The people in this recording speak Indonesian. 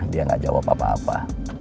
dia gak jawab apa apa